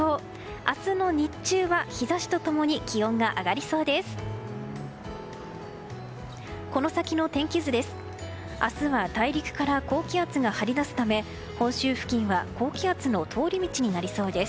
明日の日中は日差しと共に気温が上がりそうです。